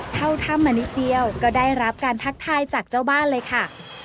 เข้าถ้ำมานิดเดียวก็ได้รับการทักทายจากเจ้าบ้านเลยค่ะ